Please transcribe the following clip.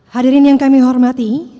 hadirin yang kami hormati